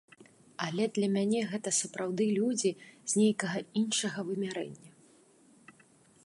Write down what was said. Але для мяне гэта сапраўды людзі з нейкага іншага вымярэння.